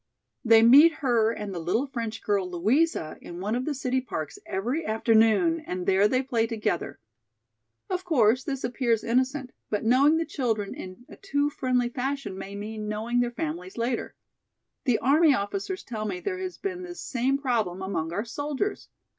They meet her and the little French girl, Louisa, in one of the city parks every afternoon and there they play together. Of course, this appears innocent, but knowing the children in a too friendly fashion may mean knowing their families later. The army officers tell me there has been this same problem among our soldiers.